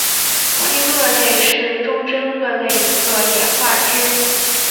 新鳄类是中真鳄类的一个演化支。